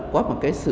có một cái sự